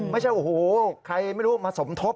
ไม่ใช่โอ้โหใครไม่รู้มาสมทบ